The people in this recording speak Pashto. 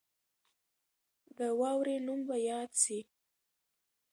د واورې نوم به یاد سي.